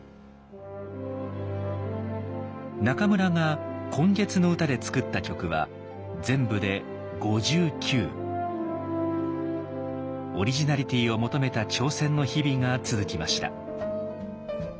中村が「今月の歌」で作った曲は全部でオリジナリティーを求めた挑戦の日々が続きました。